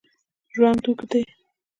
ژوند اوږد دی